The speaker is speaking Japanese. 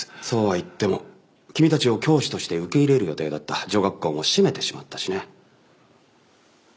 そうは言っても君たちを教師として受け入れる予定だった女学校も閉めてしまったしね。